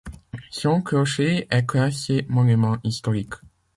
Son clocher est classé monument historique.